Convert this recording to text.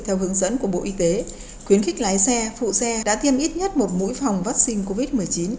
theo hướng dẫn của bộ y tế khuyến khích lái xe phụ xe đã tiêm ít nhất một mũi phòng vaccine covid một mươi chín